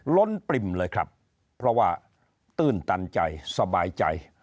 ล้นปริ่มเลยครับเพราะว่าตื้นตันใจสบายใจ